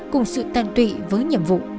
cùng sự tàn tụy với nhiệm vụ